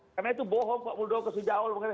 karena itu bohong pak muldoko sejak awal